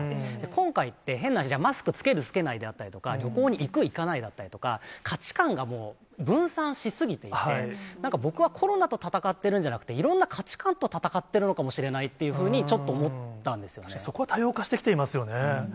今回って変な話、マスク着ける着けないであったりとか、旅行に行く、行かないであったりとか、価値観がもう分散し過ぎていて、なんか僕はコロナと闘ってるんじゃなくて、いろんな価値観と闘ってるのかもしれないっていうふうに、ちょっそこは多様化してきていますよね。